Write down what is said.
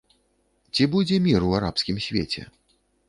Ці будзе мір у арабскім свеце?